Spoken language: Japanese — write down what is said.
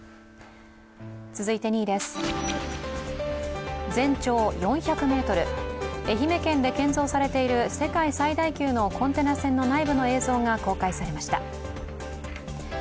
続いて２位です、全長４００ｍ、愛媛県で建造されている世界最大級のコンテナ船の内部の映像が公開されました。